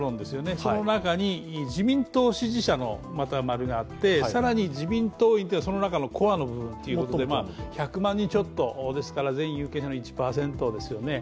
その中に自民党支持者の丸があってその中のコアの部分ということで、１００万人ちょっとですから全有権者の１％です。